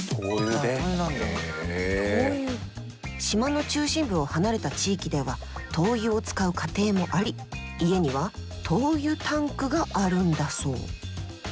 島の中心部を離れた地域では灯油を使う家庭もあり家には灯油タンクがあるんだそう。